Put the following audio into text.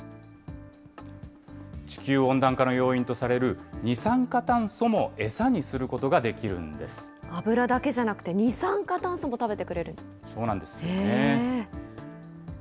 地球温暖化の要因とされる二酸化炭素も餌にすることができるんで油だけじゃなくて二酸化炭素そうなんですよね。